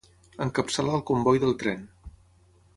Encapçala el comboi del tren.